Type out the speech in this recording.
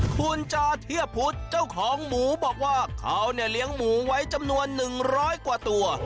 คุณจอเทียบพุทธเจ้าของหมูบอกว่าเขาเนี่ยเลี้ยงหมูไว้จำนวน๑๐๐กว่าตัว